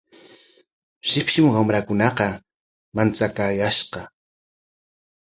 Shipshim wamrakunaqa manchakaayashqa.